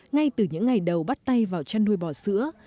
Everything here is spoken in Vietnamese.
ngay từ những ngày đầu bắt tay vào chăn nuôi bò sữa